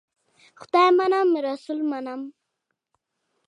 خدای منم ، رسول منم .